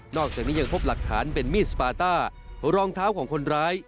อกจากนี้ยังพบหลักฐานเป็นมีดสปาต้ารองเท้าของคนร้าย